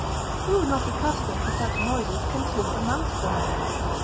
Who not accustomed to such noises can sleep amongst them?